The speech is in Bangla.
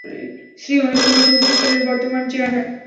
শ্রী অনিল কুমার চৌধুরী সেলের বর্তমান চেয়ারম্যান।